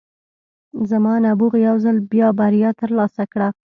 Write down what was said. زما نبوغ یو ځل بیا بریا ترلاسه کړه